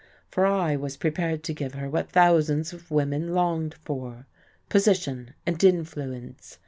For I was prepared to give her what thousands of women longed for, position and influence.